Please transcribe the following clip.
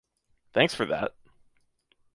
Thanks for that!